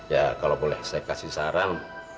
ya kalau boleh saya kasih saran